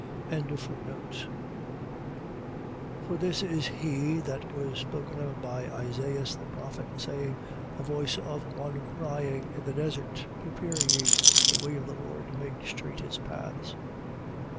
3:3. For this is he that was spoken of by Isaias the prophet, saying: A voice of one crying in the desert, Prepare ye the way of the Lord, make straight his paths.